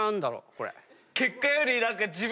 これ。